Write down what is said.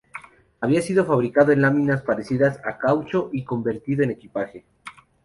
Había sido fabricado en láminas parecidas a caucho y convertido en equipaje.